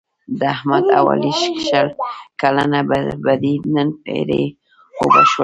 د احمد او علي شل کلنه بدي نن ایرې اوبه شوله.